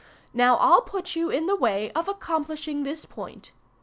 Now I'll put you in the way of accomplishing this point.